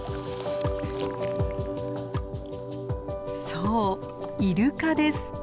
そうイルカです！